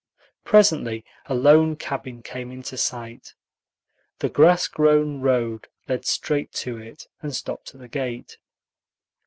Presently a lone cabin came into sight. The grass grown road led straight to it, and stopped at the gate.